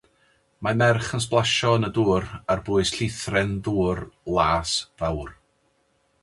Mae merch yn sblasio yn y dŵr ar bwys llithren ddŵr las fawr.